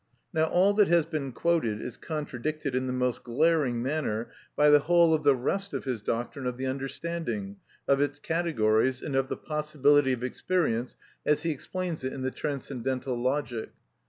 Now all that has been quoted is contradicted in the most glaring manner by the whole of the rest of his doctrine of the understanding, of its categories, and of the possibility of experience as he explains it in the Transcendental Logic.